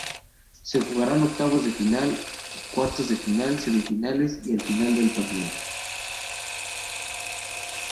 Se jugaran octavos de Final, cuartos de final, semifinales y la final del torneo.